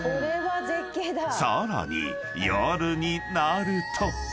［さらに夜になると］